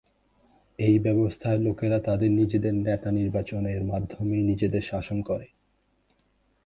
এই ব্যবস্থায় লোকেরা তাদের নিজেদের নেতা নির্বাচনের মাধ্যমে নিজেদের শাসন করে।